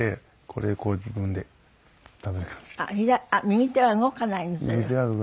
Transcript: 右手は動かないです。